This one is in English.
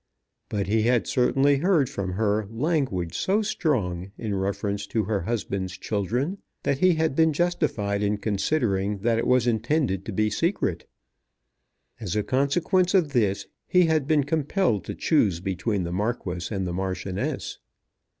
But he had certainly heard from her language so strong, in reference to her husband's children, that he had been justified in considering that it was intended to be secret. As a consequence of this he had been compelled to choose between the Marquis and the Marchioness.